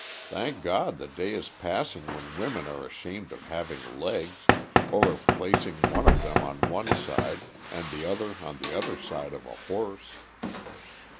Thank God the day is passing when women are ashamed of having legs, or of placing one of them on one side and the other on the other side of a horse.